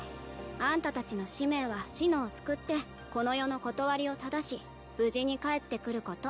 あんたたちの使命は紫乃を救ってこの世の理を正し無事に帰って来ること。